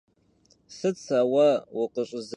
Sıt se vue vukhış'ızemıplhır?